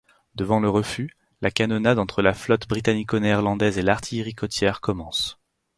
Devant le refus, la canonnade entre la flotte britanico-néerlandaise et l'artillerie côtière commence.